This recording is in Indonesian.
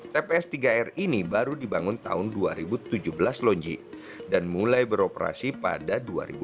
tps tiga r ini baru dibangun tahun dua ribu tujuh belas lonji dan mulai beroperasi pada dua ribu lima belas